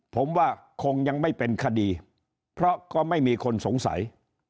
ผมว่าคงยังไม่เป็นคดีเพราะก็ไม่มีคนสงสัย